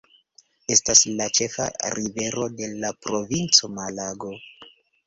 Estas la ĉefa rivero de la provinco Malago.